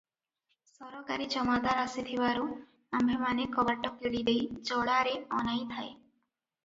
ସରକାରୀ ଜମାଦାର ଆସିଥିବାରୁ ଆମ୍ଭେମାନେ କବାଟ କିଳିଦେଇ ଜଳାରେ ଅନାଇଥାଏ ।